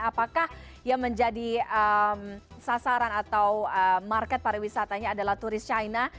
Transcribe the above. apakah yang menjadi sasaran atau market pariwisatanya adalah turis china